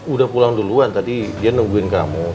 udah pulang duluan tadi dia nungguin kamu